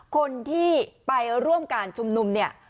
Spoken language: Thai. คนที่ไปร่วมการชุมนุมเนี่ย